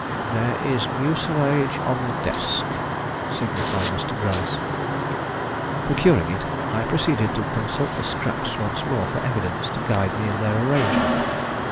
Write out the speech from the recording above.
"There is mucilage on the desk," signified Mr. Gryce. Procuring it, I proceeded to consult the scraps once more for evidence to guide me in their arrangement.